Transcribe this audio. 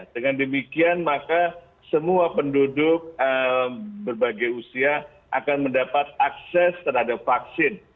dengan demikian maka semua penduduk berbagai usia akan mendapat akses terhadap vaksin